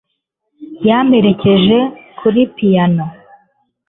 Yamperekeje kuri piyano